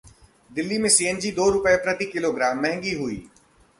दिल्ली में सीएनजी दो रुपये प्रति किलोग्राम महंगी हुई